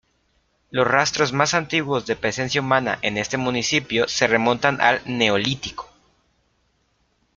Los rastros más antiguos de presencia humana en este municipio se remontan al Neolítico.